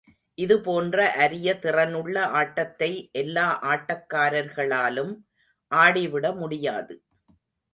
இதுபோன்ற அரிய திறனுள்ள ஆட்டத்தை எல்லா ஆட்டக்காரர்களாலும் ஆடிவிட முடியாது.